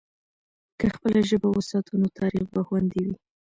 که خپله ژبه وساتو، نو تاریخ به خوندي وي.